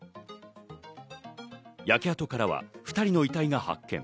焼け跡からは２人の遺体が発見。